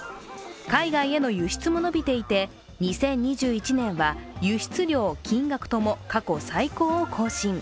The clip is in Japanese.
海外への輸出も伸びていて２０２１年は輸出量、金額とも過去最高を更新。